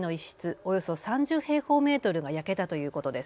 およそ３０平方メートルが焼けたということです。